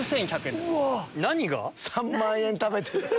３万円食べてる。